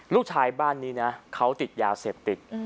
ลูกชายบ้านนี้นะเขาติดยาเสพติด